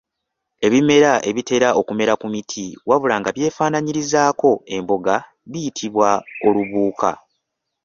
Ebimera ebitera okumera ku miti wabula nga byefaanaanyirizaako embogo biyitibwa Olubuuka.